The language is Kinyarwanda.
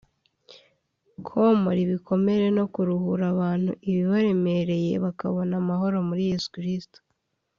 komora ibikomere no kuruhura (gukiza) abantu ibibaremereye bakabona amahoro muri Yesu Kristo